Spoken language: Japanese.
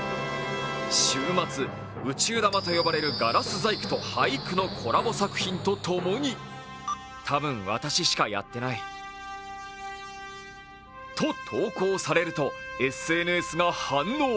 週末、宇宙玉と呼ばれるガラス細工とハイクのコラボ作品とともにと、投稿されるとＳＮＳが反応。